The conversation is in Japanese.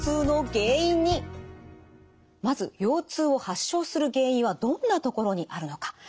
まず腰痛を発症する原因はどんなところにあるのか。